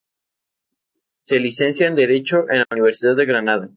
Se licencia en Derecho en la Universidad de Granada.